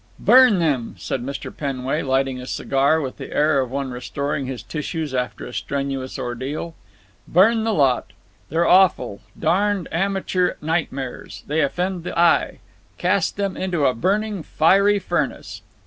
"Burn them!" said Mr. Penway, lighting a cigar with the air of one restoring his tissues after a strenuous ordeal. "Burn the lot. They're awful. Darned amateur nightmares. They offend the eye. Cast them into a burning fiery furnace."